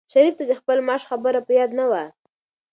شریف ته د خپل معاش خبره په یاد نه وه.